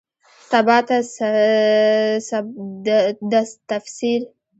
سباته ده تفسیر